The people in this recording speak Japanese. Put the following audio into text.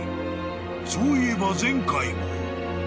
［そういえば前回も］